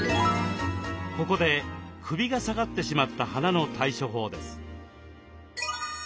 ここで首が下がってしまった花の対処法です。